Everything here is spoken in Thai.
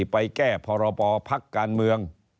ไปแก้พรบพักการเมือง